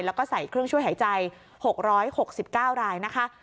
แล้วก็ใส่เครื่องช่วยหายใจ๖๖๙รายนะคะ